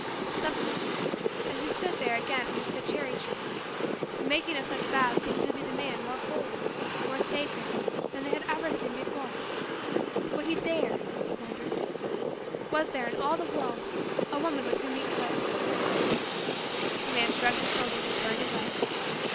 Somehow, as he stood there again under the cherry tree, the making of such vows seemed to the man more holy, more sacred, than they had ever seemed before. Would he dare He wondered. Was there, in all the world, a woman with whom he could The man shrugged his shoulders and turned away.